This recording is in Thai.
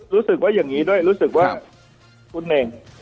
รู้สึกว่าอย่างนี้ด้วยรู้สึกว่าคุณเน่ง